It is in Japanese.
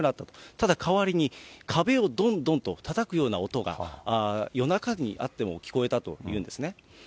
ただ代わりに、壁をどんどんとたたくような音が、夜中になっても聞こえたということなんですね。